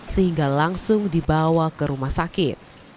sehingga langsung dibawa ke rumah sakit